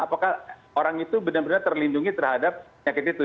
apakah orang itu benar benar terlindungi terhadap yang kayak gitu